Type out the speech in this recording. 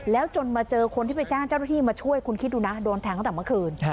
แล้วจนมาเจอคนที่ไปแจ้งเจ้าหน้าที่มาช่วยคุณคิดดูนะโดนแทงตั้งแต่เมื่อคืน